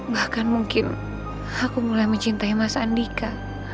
bahkan mungkin aku mulai mencintai mas andika